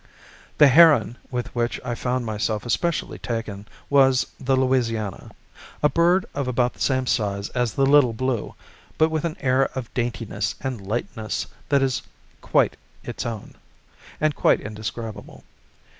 The heron with which I found myself especially taken was the Louisiana; a bird of about the same size as the little blue, but with an air of daintiness and lightness that is quite its own, and quite indescribable.